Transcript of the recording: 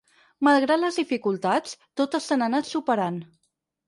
Malgrat les dificultats, totes s’han anat superant.